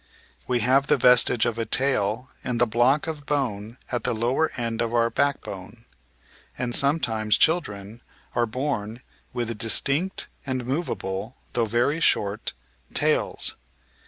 We have the vestige of a tail in the block of bone at the lower end of our backbone; and sometimes children are bom with distinct and movable — ^though very short — ^tails.